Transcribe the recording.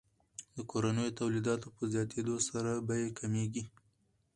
د کورنیو تولیداتو په زیاتیدو سره بیې کمیږي.